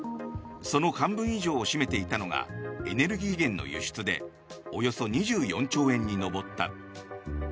その半分以上を占めていたのがエネルギー資源の輸出でおよそ２４兆円に上った。